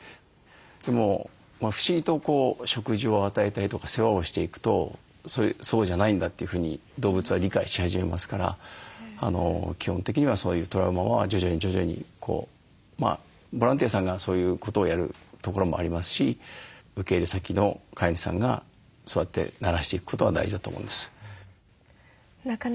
でも不思議と食事を与えたりとか世話をしていくとそうじゃないんだというふうに動物は理解し始めますから基本的にはそういうトラウマは徐々に徐々にボランティアさんがそういうことをやるところもありますし受け入れ先の飼い主さんがそうやってならしていくことが大事だと思うんです。